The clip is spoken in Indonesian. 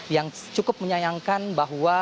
yang cukup menyayangkan bahwa